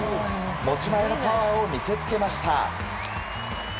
持ち前のパワーを見せつけました。